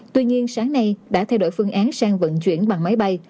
tuy nhiên sáng nay đã thay đổi phương án sang vận chuyển bằng máy bay